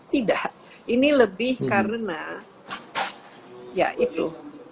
tidak ini lebih karena ya itu